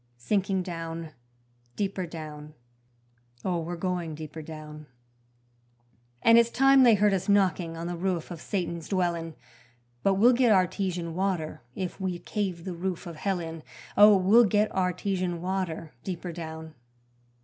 Sinking down, deeper down, Oh, we're going deeper down: And it's time they heard us knocking on the roof of Satan's dwellin'; But we'll get artesian water if we cave the roof of hell in Oh! we'll get artesian water deeper down.